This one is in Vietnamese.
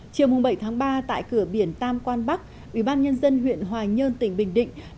chiều bảy tháng ba tại cửa biển tam quan bắc ubnd huyện hoài nhơn tỉnh bình định